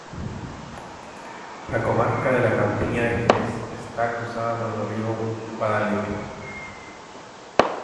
La comarca de la Campiña de Jerez está cruzada por el río Guadalete.